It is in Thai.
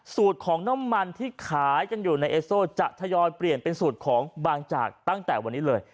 สูตรของน้ำมันที่ขายกันอยู่ในเอสโซจะทยอยเปลี่ยนเป็นสูตรของบางจากตั้งแต่วันนี้เลย